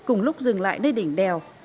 cùng lúc dừng lại nơi đỉnh đèo